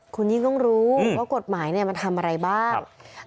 คุณยิ่งต้องรู้ว่ากฎหมายมันทำอะไรบ้าง